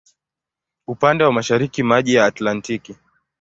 Upande wa mashariki maji ya Atlantiki.